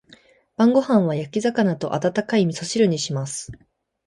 晩ご飯は焼き魚と温かい味噌汁にします。